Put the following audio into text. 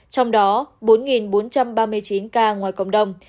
trong đó bốn bốn trăm ba mươi chín ca ngoài cộng đồng